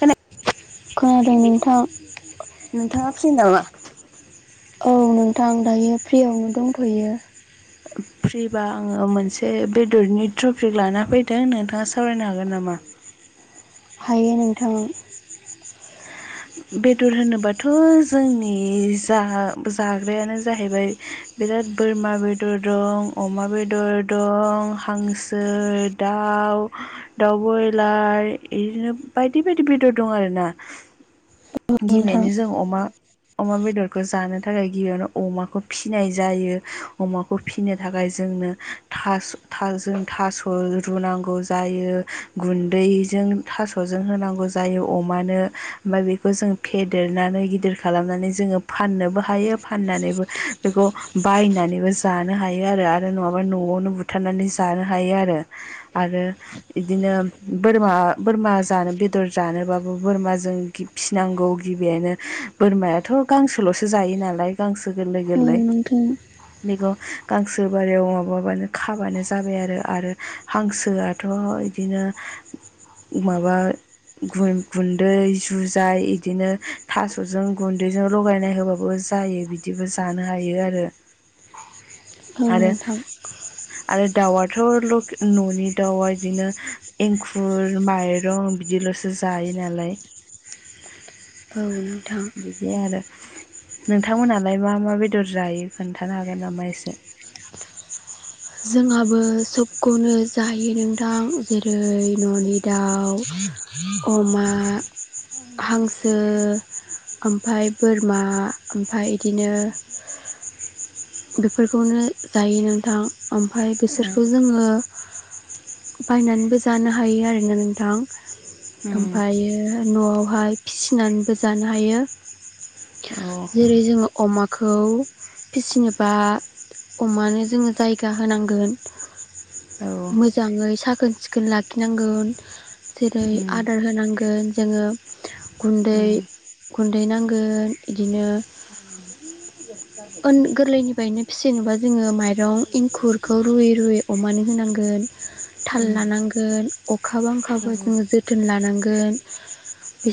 खोनादों खोनादों नोंथां नोंथाङा फ्रि नामा? औ नोंथां दायो फ्रियावनो दंथ'यो। फ्रिबा आङो मोनसे बेदरनि ट्रफिक लाना फैदों नोंथाङा सावरायनो हा गो नामा? हायो नोंथां बेदर होनोबाथ' जोंनि जा-जाग्रायानो जाहैबाय बिराद बोरमा बेदर दं अमा बेदर दं हांसो दा आव दाउ बयलार इदिनो बायदि बायदि बेदर दं आरोना नोंथां गिमानो जों अमा अमा बेदरखौ जानो थाखाय गिबियावनो अमाखौ फिनाय जायो अमाखौ फिनो थाखाय जोंनो थास-थाजों थास' रुनांगौ जायो गुन्दै जों थास'जों होनांगौ जायो अमानो ओमफाय बेखौ जों फेदेरनानै गिदिर खालामनानै जोङो फाननोबो हायो फाननानैबो बेखौ [unintelligible] बायनानैबो जानो हायो आरो आरो नङाबा न'आवनो बुथारनानै जानो हायो आरो आरो इदिनो बोरमा-बोरमा जानो बेदर जानोबाबो बोरमाजों फिसिनांगौ गिबियायनो बोरमायाथ' गांसोल'सो जायो नालाय गांसो गोरलै औ गोरलै नोंथां बेखौ गांसो बारियाव माबाबानो खाबानो जाबाय आरो आरो हांसोआथ थ' इदिनो माबा गुन-गुन्दै जुजाय इदिनो थास'जों गुन्दैजों लगायनाय होबाबो जायो बिदिबो जानो हायो आरो‌ औ आरो नोंथां आरो दावा थ' लक न'नि दाउआ गदिनो एंखुर माइरं बिदिल'सो जायो नालाय औ नोंथां नोंथांमोनहालाय मा मा बेदर जायो खोन्थानो हागोन नामा एसे? [unintelligible] जोंहाबो सबखौनो जायो नोंथां जेरै न'नि दाउ अमा हांसो ओमफाय बोरमा ओमफाय इदिनो बेफोरखौनो जायो नोंथां ओमफ्राय बिसोरखौ जोङो बायनानैबो जानो हायो आरोना नोंथां। उम ओमफ्रायो न'आवहाय फिसिनानैबो जानो हायो। औ जेरै जोङो अमाखौ फिसिनो बा अमानो जोङो जायगा होनांगोन औ मोजाङै साखोन सिखोन लाखिनांगोन। जेरै उम आदार होनांगोन जोङो गुन्दै उम गुन्दै नांगोन [unintelligible] बिदिनो गोरलैनि [unintelligible] फिसिनोबा जोङो माइरं एंखुरखौ रुयै रुयै अमानो होनांगोन थाल उम लानांगोन अखा बांखाबा औ जोङो जोथोन लानांगोन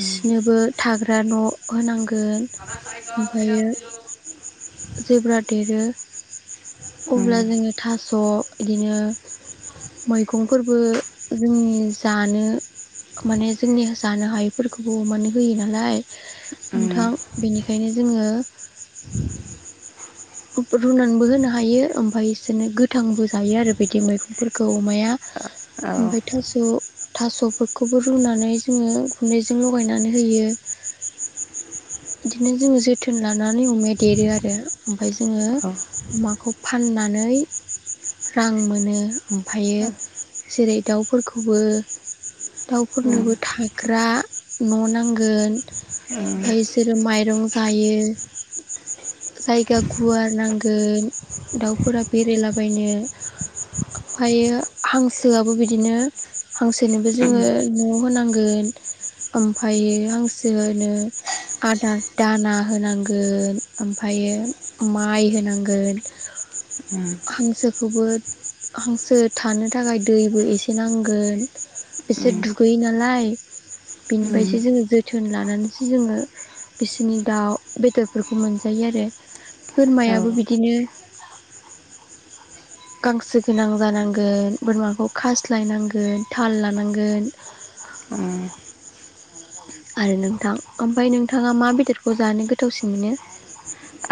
उम थाग्रा न' होनांगोन [unintelligible] ओमफ्रायो देरो अब्ला उम जोङो थास' बिदिनो मैगंफोरबो जोंनि जानो माने जोंनि जानो हायैफोरखौबो अमानो होयो नालाय उम नोंथां बेनिखायनो जोङो रुनानैबो होनो हायो ओमफ्राय इसोरनो गोथांबो जायो आरो बिदि मैगंफोरखौ अमाया औ ओमफ्राय थास' थास'फोरखौबो रुनानै जोङो गुन्दैजों लगायनानै होयो। बिदिनो जोङो जोथोन लानानै अमाया देरो आरो ओमफाय जोङो उम अमाखौ फाननानै रां मोनो ओमफ्रायो जेरै दाउफोरखौबो दाउफोरनोबो थाग्रा न' नांगोन ओमफ्राय बिसोरो माइरं जायो जायगा गुवार नांगोन दाउफोरा बेरायलाबायनो ओमफ्रायो हांसोआबो बिदिनो हांसोनोबो जोङो न' होनांगो [unintelligible] ओमफ्राय हांसोनो आदार दाना होनांगोन ओमफ्रायो माइ होनांगोन हांसोखौबो हांसो थानो थाखाय दैबो एसे नांगोन एसे उम दुगैयो नालाय उम बेनिफ्रायसो जोङो जोथोन लानानैसो जोङो बिसोरनि दाउ बेदरफोरखौ मोनजायो आरो औ बोरमायाबो बिदिनो [inaudible] गांसो गोनां जानांगोन बोरमाखौ खास्लायनांगोन थाल लानांगोन उम आरो नोंथां ओमफ्राय नोंथाङा मा बेदरखौ जानो गोथावसिन मोनो?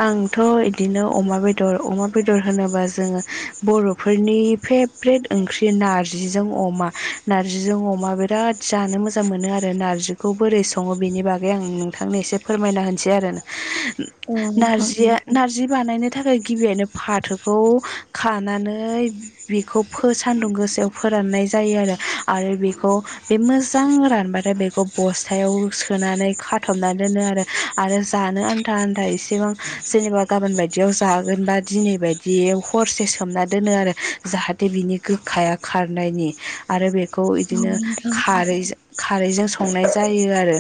आंथ' बिदिनो अमा बेदर अमा बेदर होनोबा जोङो बर'फोरनि फेब्रेट ओंख्रि नारजि नारजिजों अमा नारजिजों अमा बिराद जानो मोजां मोनो नारजिखौ बोरै सङो बागै आं नोंथांनो एसे फोरमायना होनसै आरो औ नोंथां नारजिया नारजि बानायनो थाखाय गिबियावनो फाथोखौ खानानै बेखौ सान्दुं गोसायाव फोराननाय जायो आरो आरो बेखौ बे मोजां रानबाथाय बेखौ बस्थायाव सोनानै खाथबना दोनो आरो आरो जानो आनथा आनथा एसे एसेबां जेनेबा गाबोन बायदियाव जागोनबा दिनै बायदि हरसे सोमना दोनो आरो जाहाथे बिनि गोखाया खारनायनि आरो बे औ बिदिनो नोंथां उम खारै खारैजों संनाय जायो।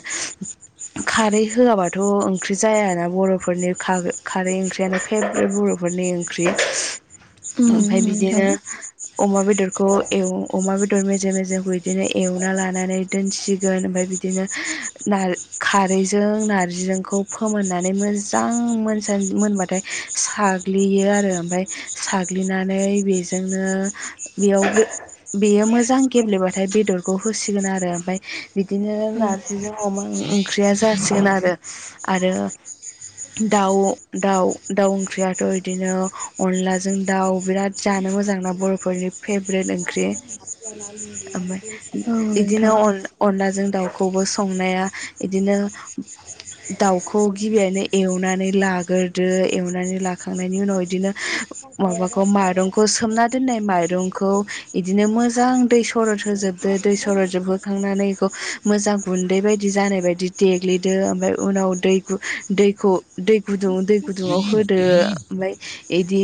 [unintelligible] होआबाथ ओंख्रि जायाना बर' बर'फोरनि खारै ओंख्रियानो फेब्रेट बर'फोरनि ओंख्रि। ओमफाय नोंथां औ बिदिनो अमा बेदर खौ अमा बेदर मेजे मेजेखौ बिदिनो एवना लानानै दोनसिगोन ओमफ्राय बिदिनो नार खारैजों नारजिजोंखौ फोमोननानै मो जां मोनसान मोनबाथाय साग्लियो आरो ओमफ्राय साग्लिनानै बे बेजोंनो बेयावबो बेयो मोजां गेब्लेबाथाय बेदरखौ होसिगोन आरो ओमफ्राय बिदिनो नारजिजों अमा ओंख्रिया जासिगोन आरो आरो दाउ दाउ दाउ ओंख्रियाथ' इदिनो अनदलाजों दाउ बिराद जा नो मोजांना बर'फोरनि फेभ्रेट ओंख्रि [unintelligible] इदिनो नोंथां अन अनलाजों दाउखौबो संनाया इदिनो दाउखौ गिबियानो एवनानै लाग्रोदो एवनानै लाखांनायनि उनाव बिदिनो माबाखौ माइरंखौ सोमना दोननाय माइरंखौ इदिनो मोजां दै सरद होजोबदो दै सरदजोबहोखांनानै मोजां गुन्दै बायदि जानाय बायदि देग्लिदो ओमफ्राय उनाव दैखौ दैखौ दै गुदुं दै गुदुङाव होदो ओमफ्राय इदि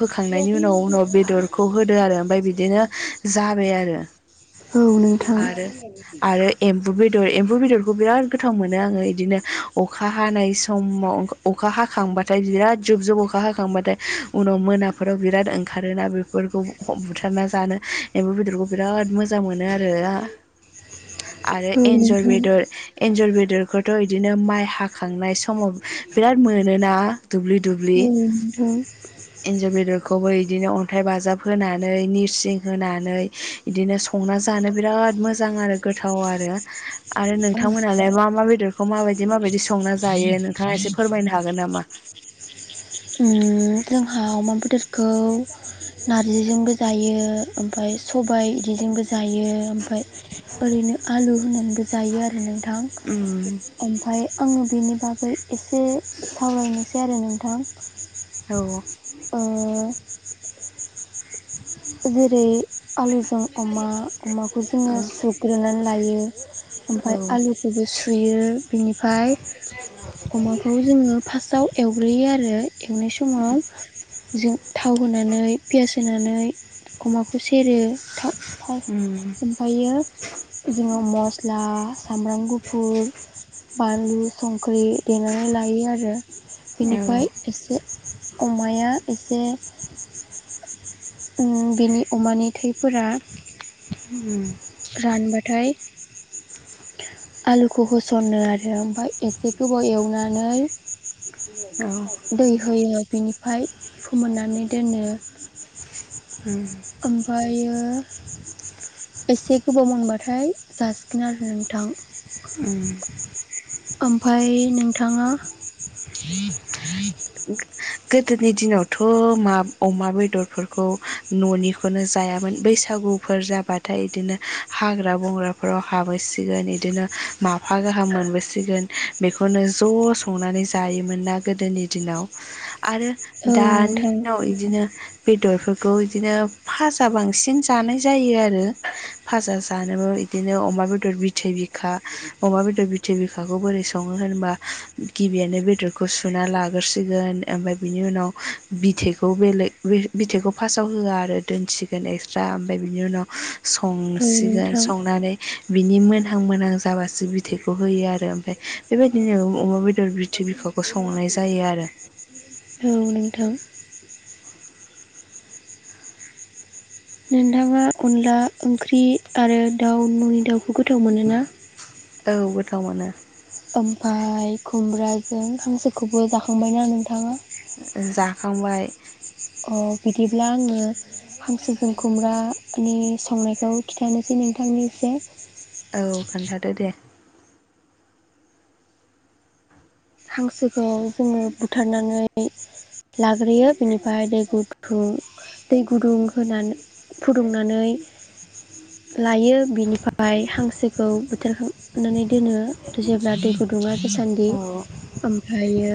होखांनायनि उनाव उनाव बेदरखौ होदो आरो ओमफ्राय बिदिनो जाबाय आरो औ नोंथां औ नोंथां आरो आरो एम्बु बे बदर एम्फौ बेदरखौ बिराद गोथाव मोनो आङो इदिनो अखा हानाय समाव अखा हाखांबाथाय बिराद जुब जुब अखा हाखांबाथाय उनाव मोनाफोराव बिराद ओंखारोना बेफोरखौ बुथारना जानो एम्फौ बेदरखौ बिराद मोजां मोनो आरो आरो औ एन्जर नोंथां बेदर एन्जर बेदरखौथ' इदिनो माइ हा खांनाय समाव बिराद मोनोना दुब्लि दुब्लि [inaudible] एन्जर बेदरखौबो इदिनो अन्थाइ बाजाब होनानै निरसिं होनानै इदिनो संनानै जानो बिराद मोजां आरो गोथाव आरो आरो नोंथां मानहालाय मा मा बेदरखौ मा बादि मा बादि संना जायो नोंथाङा एसे फोरमायनो हागोन नामा उम जोंहा अमा बेदरखौ नारजिजोंबो जायो ओमफ्राय सबाय बिदिजोंबो जायो ओमफफ्राय ओरैनो आलु होनानैबो जायो आरो नों थां उम ओमफ्राय आङो बेनि बागै ओइ एसे सावरायनोसै आरो नोंथां औ औ ओ जेरै आलु जों अमा अमाखौ जोङो औ सुग्रोनानै लायो ओमफ्राय औ आलुखौबो सुयो ओ बिनिफ्राय अमाखौ जोङो फास्टआव एवग्रोयो आरो एवनाय समाव जों थाव होनानै पियास होनानै अमाखौ सेरो थाव उम ओमफ्रायो बिदिङ मस्ला सामब्राम गुफुर बानलु संख्रि देनानै लायो आरो औ बेनिफ्राय एसे अमाया एसे उम बेनि अमानि थैफोरा उम रानबाथाय आलुखौ होसनो आरो ओमफ्राय एसे गोबाव एवनानै औ दै होयो बिनिफ्राय फोमोननानै दोनो उम ओमफायो एसे गोबाव मोनबाथाय जासिगोन आरो नोंथां उम ओमफाय नोंथाङा [inaudible] गोदोनि दिनावथ' मा अमा बेदरफोरखौ न'निखौनो जायामोन बैसागु फोर जाबाथाय बिदिनो हाग्रा बंग्राफोराव हाबोसिगोन बिदिनो माफा गाहाम। मोनबोसिगोन बेखौनो ज' संनानै जायोमोन ना गोदोनि दिना आरो औ दानि नोंथां दिनाव इदिनो बेदरफोर खौ बिदिनो फाजा बांसिन जानाय जायो आरो फाजा जानबो बिदिनो अ अमा बेदर बिथै बि खा अमा बेदर बिथै बिखाखौ बोरै सङो होनबा गिबियनो बेदरखौ सुना ला सिगोन ओमफ्राय बिनि उनाव बिथैखौ बेलेग बिथखौ फासआव होआ आरो दोन सिगोन एक्सट्रा ओमफ्राय बिनि उनाव औ संसिगोन नोंथां संनानै बिनि मोनहां मोनहां जाबासो बिथैखौ होयो आरो ओमफ्राय बेबायदिनो अमा बेदर बिथै बिखाखौ संनाय जायो। आरो औ नोंथां। नोंथाङा अनला ओंख्रि आरो दाउ न'नि दाउखौ गोथाव मोनोना औ गोथाव मोनो। ओमफाय खुमब्राजों हांसोखौबो जाखांबायना नोंथाङा। जाखांबाय अ बिदिब्ला आङो हांसोजों खुमब्रानि संनायखौ खिन्थानोसै नोंथांनि एसे औ खोन्थादो दे। हांसोखौ जोङो बुथारनानै लाग्रोयो बिनिफ्राय दै गुथु दै गुदुं होनानै फुदुंनानै लायो बिनिफ्राय हांसोखौ बोथोरखो फुनानै दोनो जेब्ला दै गुदुङा गोसान्दि औ ओमफ्रायो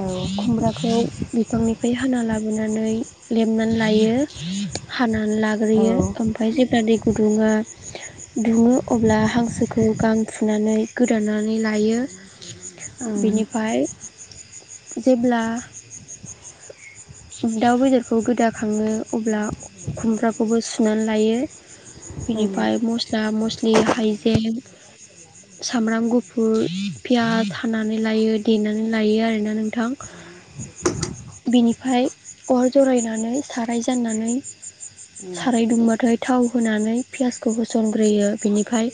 औ खुमब्राखौ बिफांनिफ्राय हाना लाबोनानै लेबनानै ला यो हानानै औ लाग्रोयो ओमफ्राय जेब्ला दै गुदुङा दुङो अब्ला हांसोखौ गां फुनानै गोदानानै लायो। ओं बिनिफ्राय जेब्ला [inaudible] दाउ बेदरखौ गोदा खाङो अब्ला खुमब्राखौबो सुनानै लायो। ओं बिनिफ्राय मस्ला मस्लि हाइजें सामब्राम गुफुर पियास हाना नै देनानै लायो आरोना नोंथां। बिनिफ्राय अर जरायनानै साराय जाननानै औ साराय दुंबाथाय थाव होनानै पियासखौ होसनग्रोयो बिनिफ्राय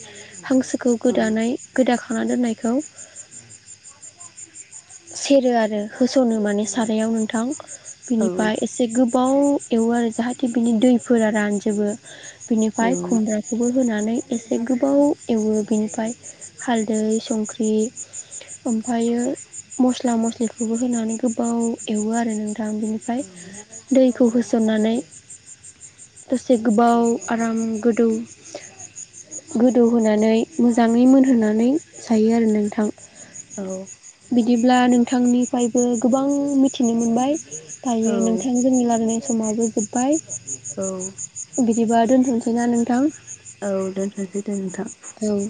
हांसोखौ गोदानाय गोदाखांना दोननायखौ सेरो आरो होस'नो माने सारायाव नोंथां। औ बिनिफ्राय एसे गोबाव एवो आरो जाहाथे बिनि दैफोरा रानजोबो बिनिफ्राय खुमब्राखौबो होनानै एसे आरो गोबाव एवो बेनिफ्राय हालदै संख्रि ओमफ्रायो मस्ला मस्लिखौबो होनानै गोबाव एवो आरो नोंथां। बिनिफ्राय दै खौ होसननानै दसे गोबाव आराम गोदौ गोदौहोनानै मोजाङै मोनहोनानै जायो आरो नोंथां। औ। बिदिब्ला नोंथांनिफ्रायबो गोबां मिथिनो मोनबाय दायो नोंथां जोंनि लागोनाय समावबो जोब्बाय। औ। बिदिबा दोनथ'सैना नोंथां। औ दोनथ'सै दे नोंथां। औ